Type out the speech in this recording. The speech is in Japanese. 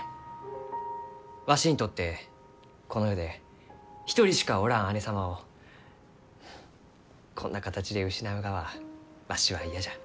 わしにとってこの世で一人しかおらん姉様をこんな形で失うがはわしは嫌じゃ。